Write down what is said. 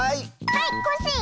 はいコッシー！